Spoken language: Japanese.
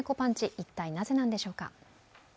一体なぜなんでしょうか。